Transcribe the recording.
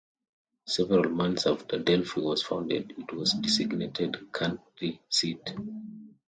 Several months after Delphi was founded, it was designated county seat.